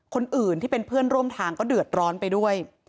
คนอื่นที่เป็นเพื่อนร่วมทางก็เดือดร้อนไปด้วย